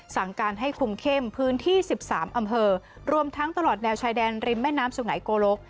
สั่งการให้คุมเข้มพื้นที่๑๓อำเภอรวมทั้งตลอดแนวชายแดนริมแม่น้ำสุงัยโกลก